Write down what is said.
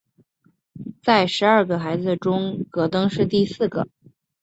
在十二个孩子中戈登是第四个。